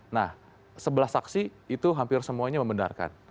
nah sebelah saksi itu hampir semuanya membenarkan